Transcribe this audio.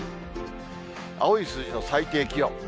青い数字の最低気温。